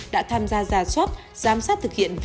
đã tham gia giả soát giám sát thực hiện